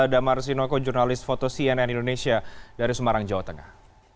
damar sinoko jurnalis foto cnn indonesia dari semarang jawa tengah